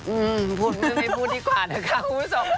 อืมพูดไม่พูดดีกว่านะคะคุณผู้ชม